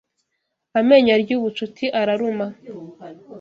Amenyo arya ubucuti araruma